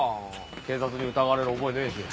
警察に疑われる覚えねえし。